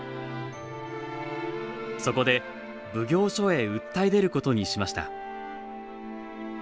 そこで奉行所へ訴え出ることにしました。